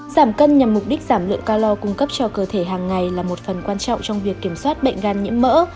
giảm cân nhằm mục đích giảm lượng ca lo cung cấp cho cơ thể hàng ngày là một phần quan trọng trong việc kiểm soát bệnh gan nhiễm mỡ